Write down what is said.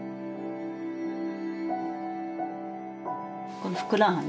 このふくらはぎ？